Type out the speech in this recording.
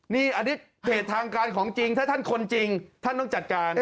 นี่อันนี้เพจทางการของจริงถ้าท่านคนจริงท่านต้องจัดการ